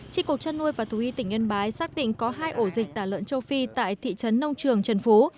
trị cục chăn nuôi và thú y tỉnh yên bái xác định có hai ổ dịch tả lợn châu phi tại thị trấn nông trường trần phú